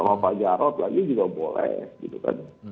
sama pak jarod lagi juga boleh gitu kan